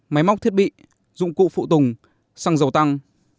máy móc thiết bị dụng cụ phụ tùng xăng dầu tăng